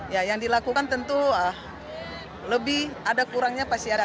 ya yang dilakukan tentu lebih ada kurangnya pasti ada